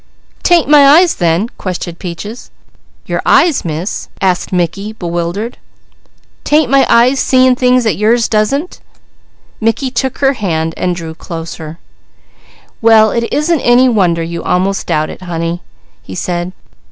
"'Tain't my eyes then?" questioned Peaches. "Your eyes, Miss?" asked Mickey bewildered. "'Tain't my eyes seein' things that yours doesn't?" Mickey took her hand and drew closer. "Well, it isn't any wonder you almost doubt it, honey," he said.